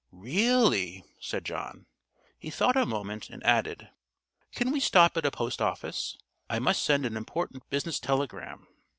"Really?" said John. He thought a moment, and added, "Can we stop at a post office? I must send an important business telegram."